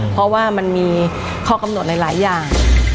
เพราะว่ามันมีข้อกำหนดหลายอย่าง